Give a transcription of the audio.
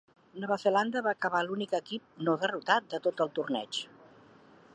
Nova Zelanda va acabar l'únic equip "no derrotat" de tot el torneig.